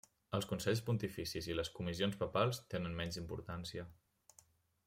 Els consells pontificis i les comissions papals tenen menys importància.